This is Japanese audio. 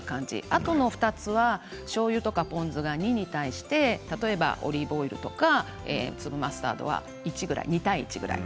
あとの２つはしょうゆとかポン酢とか２に対して例えばオリーブオイルとか粒マスタードは１ぐらい２対１ぐらい。